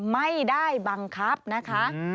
ไม่ได้บังคับนะคะ